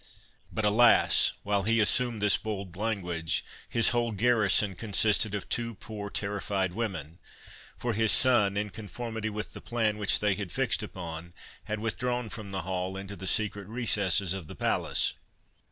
But, alas! while he assumed this bold language, his whole garrison consisted of two poor terrified women; for his son, in conformity with the plan which they had fixed upon, had withdrawn from the hall into the secret recesses of the palace.